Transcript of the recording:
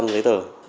chín mươi giấy tờ